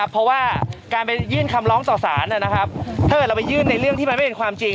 เพราะว่าการไปยื่นคำร้องต่อสารถ้าเกิดเราไปยื่นในเรื่องที่มันไม่เป็นความจริง